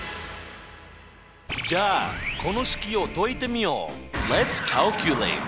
じゃあこの式を解いてみよう！